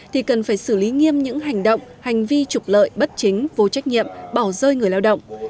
thì cần phải xử lý nghiêm những hành động hành vi trục lợi bất chính vô trách nhiệm bỏ rơi người lao động